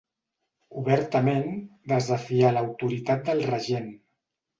Obertament desafià l'autoritat del regent.